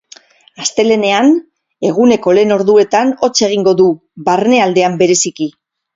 Astelehenean, eguneko lehen orduetan hotz egingo du, barnealdean bereziki.